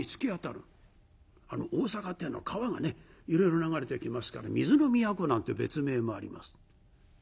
あの大阪っていうの川がねいろいろ流れてきますから水の都なんて別名もあります。